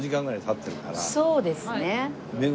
そうですね。